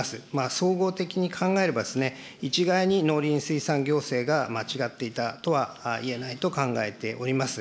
総合的に考えれば、一概に農林水産行政が間違っていたとはいえないと考えております。